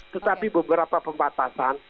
tetapi beberapa pembatasan